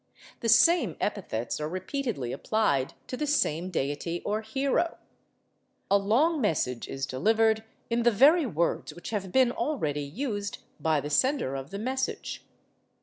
The same epithets are repeatedly applied to the same deity or hero. A long message is delivered in the very words which have been already used by the sender of the message.